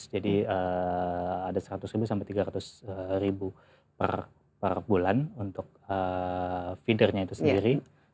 jadi ada seratus sampai tiga ratus per bulan untuk feedernya itu sendiri